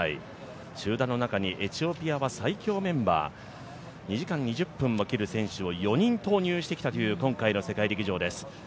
集団の中にエチオピアは最強メンバー、２時間２０分を切る選手を４人投入してきたという、今回の世界陸上です。